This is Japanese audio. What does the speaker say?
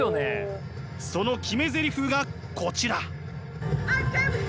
その決めゼリフがこちら。